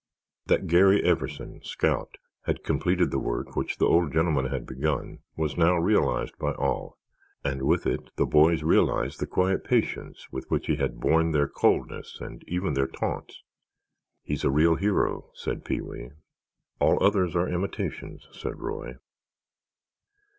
That Garry Everson, scout, had completed the work which the old gentleman had begun was now realized by all and with it the boys realized the quiet patience with which he had borne their coldness and even their taunts. "He's a real hero," said Pee wee. "All others are imitations," agreed Roy.